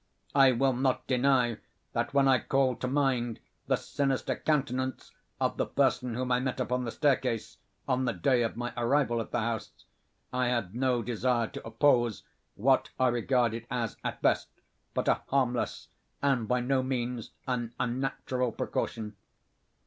I will not deny that when I called to mind the sinister countenance of the person whom I met upon the staircase, on the day of my arrival at the house, I had no desire to oppose what I regarded as at best but a harmless, and by no means an unnatural, precaution.